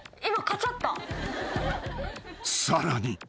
［さらに］